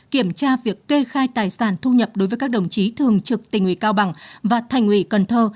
kiểm tra việc kê khai tài sản thu nhập đối với các đồng chí thường trực tình ủy cao bằng và thành ủy cần thơ